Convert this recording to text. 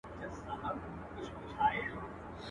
o انسان د خطا خالي نه دئ.